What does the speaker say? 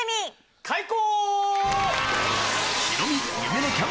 開講！